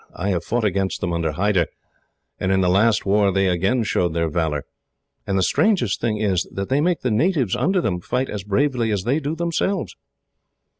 I have fought against them under Hyder, and in the last war they again showed their valour; and the strangest thing is that they make the natives under them fight as bravely as they do themselves.